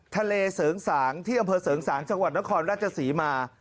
ทะเลเสริงสางที่อำเภอเสริงสางจังหวัดนครราชศรีมา